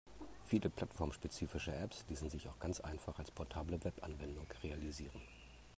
Viele plattformspezifische Apps ließen sich auch ganz einfach als portable Webanwendung realisieren.